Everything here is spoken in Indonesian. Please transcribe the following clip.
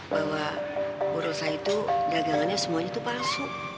bahwa urusan itu dagangannya semuanya itu palsu